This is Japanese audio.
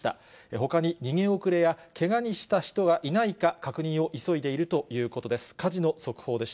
ほかに逃げ遅れやけがをした人はいないか、確認を急いでいるということです。